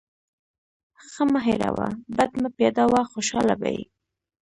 ښه مه هېروه، بد مه پیاده وه. خوشحاله به يې.